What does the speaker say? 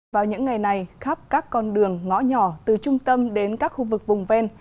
vào những ngày này khắp các con đường ngõ nhỏ từ trung tâm đến các khu vực vùng ven